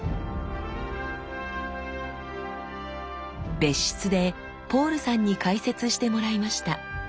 別室でポールさんに解説してもらいました。